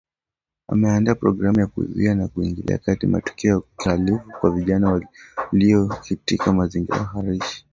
Ameandaa programu ya kuzuia na kuingilia kati matukio ya kihalifu kwa vijana walio kaitka mazingira hatarishi